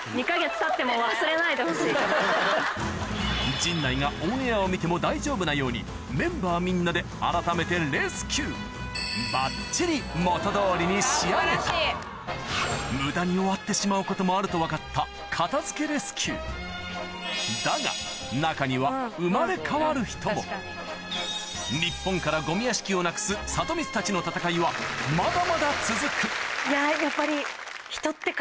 陣内がオンエアを見ても大丈夫なようにメンバーみんなであらためてレスキュー無駄に終わってしまうこともあると分かった片付けレスキューだが日本からゴミ屋敷をなくすサトミツたちのいややっぱり。